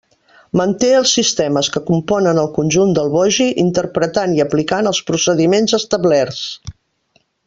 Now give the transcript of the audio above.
Manté els sistemes que componen el conjunt del bogi, interpretant i aplicant els procediments establerts.